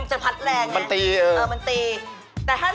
มันจะพัดแรงนะมันตีเออมันตีเออมันตี